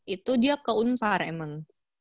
itu dia keunpar emang